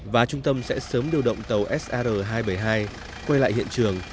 và trung tâm sẽ sớm điều động tàu sr hai trăm bảy mươi hai quay lại hiện trường